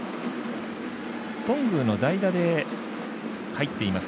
頓宮の代打で入っています